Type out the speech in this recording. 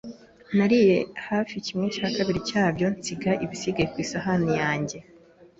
Nariye hafi kimwe cya kabiri cyacyo nsiga ibisigaye ku isahani yanjye.